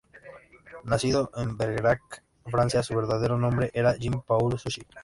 Nacido en Bergerac, Francia, su verdadero nombre era Jean-Paul Sully.